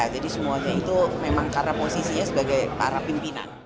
jadi semuanya itu memang karena posisinya sebagai para pimpinan